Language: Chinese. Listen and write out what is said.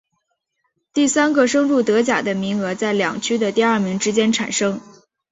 第三个升入德甲的名额在两区的第二名之间产生。